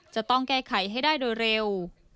จะต้องแก้ไขให้ได้โดยเร็ว